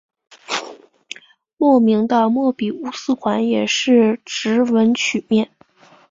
著名的莫比乌斯环也是直纹曲面。